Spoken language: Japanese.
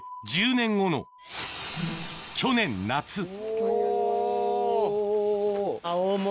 １０年後の去年夏おぉ。